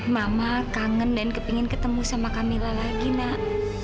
mama kangen dan kepingin ketemu sama kamila lagi nak